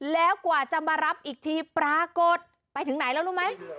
แล้วกว่าจะมารับอีกทีปรากฏไปถึงไหนแล้วรู้ไหม